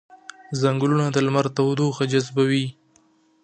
ځنګلونه د لمر تودوخه جذبوي